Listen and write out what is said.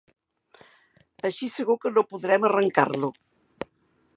Així segur que no podrem arrencar-lo.